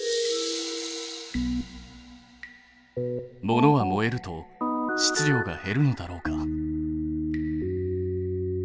ものは燃えると質量が減るのだろうか？